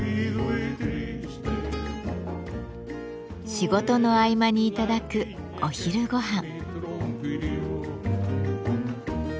仕事の合間に頂くお昼ごはん。